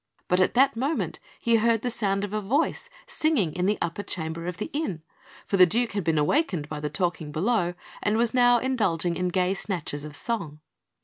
But at that moment he heard the sound of a voice singing in the upper chamber of the inn; for the Duke had been awakened by the talking below, and was now indulging in gay snatches of song.